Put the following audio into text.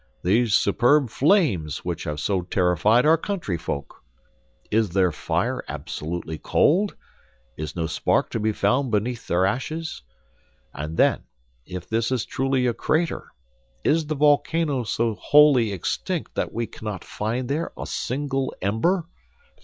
These superb flames, which have so terrified our country folk! Is their fire absolutely cold, is no spark to be found beneath their ashes? And then, if this is truly a crater, is the volcano so wholly extinct that we cannot find there a single ember?